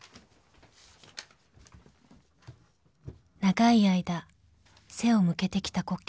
［長い間背を向けてきた故郷］